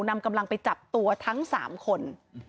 นำกำลังไปจับตัวทั้ง๓คน